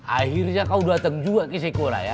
akhirnya kau datang juga ke sekolah ya